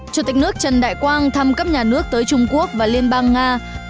chủ tịch nước trần đại quang thăm cấp nhà nước tới trung quốc và liên bang nga